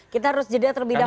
kita harus jeda terlebih dahulu